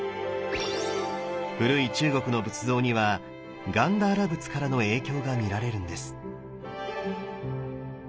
古い中国の仏像にはガンダーラ仏からの影響が見られるんです。